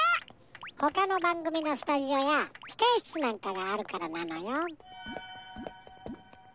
ほかのばんぐみのスタジオやひかえしつなんかがあるからなのよ。